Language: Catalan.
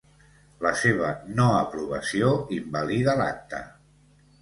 La seva no aprovació invalida l'acte.